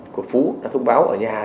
của phú đã thông báo ở nhà